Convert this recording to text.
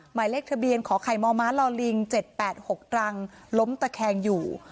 หมายเลขทะเบียนขอไข่มมลลิง๗๘๖ตรังล้มตะแคงอยู่